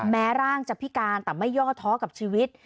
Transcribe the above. แม้ร่างจะพิการแต่ไม่ย่อท้อกับชีวิต